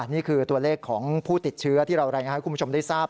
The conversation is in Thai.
นี่คือตัวเลขของผู้ติดเชื้อที่เรารายงานให้คุณผู้ชมได้ทราบ